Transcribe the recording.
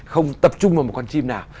không tập trung vào một con chim nào